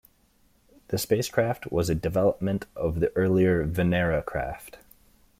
The spacecraft was a development of the earlier "Venera" craft.